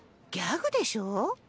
ギャグでしょ？